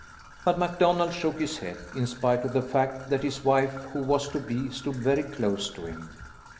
But MacDonald shook his head, in spite of the fact that his wife who was to be, stood very close to him.